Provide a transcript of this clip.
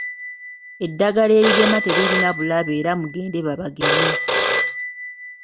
Eddagala erigema teririna bulabe era mugende babageme.